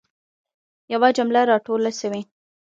یوه جمله را توله سوي.